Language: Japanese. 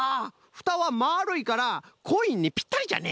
フタはまるいからコインにぴったりじゃね！